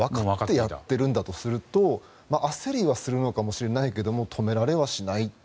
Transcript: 分かってやってるんだとすると焦りはするのかもしれないけれど止められはしない。